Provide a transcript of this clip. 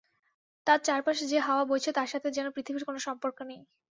তার চারপাশে যে হাওয়া বইছে তার সাথে যেন পৃথিবীর কোনো সম্পর্ক নেই।